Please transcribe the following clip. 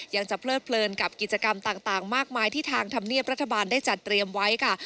ยังจะเพลิดเพลินกับกิจกรรมต่างมากมายที่ทางธรรมเนียบรัฐบาลได้จัดเตรียมไว้ค่ะ